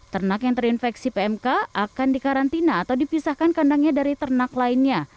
ternak yang terinfeksi pmk akan dikarantina atau dipisahkan kandangnya dari ternak lainnya